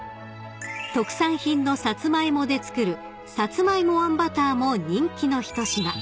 ［特産品のサツマイモで作るさつまいもあんバターも人気の一品］